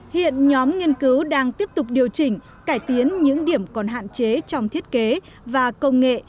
hiện nhóm nghiên cứu đang tiếp tục điều chỉnh cải tiến những điểm còn hạn chế trong thiết kế và công nghệ